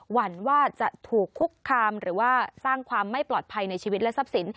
หั่นว่าจะถูกคุกคามหรือว่าสร้างความไม่ปลอดภัยในชีวิตและทรัพย์สิน